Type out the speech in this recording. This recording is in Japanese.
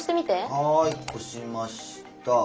はい押しました。